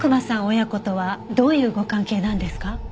親子とはどういうご関係なんですか？